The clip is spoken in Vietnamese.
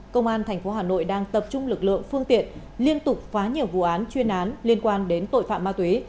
công an tp hà nội đang tập trung lực lượng phương tiện liên tục phá nhiều vụ án chuyên án liên quan đến tội phạm ma túy